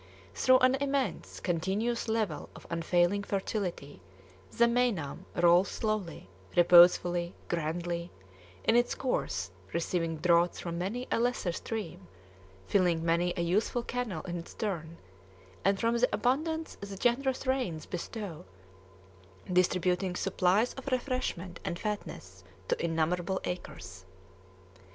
Through an immense, continuous level of unfailing fertility, the Meinam rolls slowly, reposefully, grandly, in its course receiving draughts from many a lesser stream, filling many a useful canal in its turn, and, from the abundance the generous rains bestow, distributing supplies of refreshment and fatness to innumerable acres.